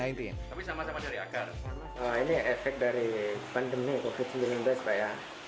ini efek dari pandemi covid sembilan belas pak ya